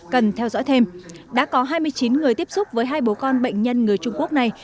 cần theo dõi thêm đã có hai mươi chín người tiếp xúc với hai bố con bệnh nhân người trung quốc này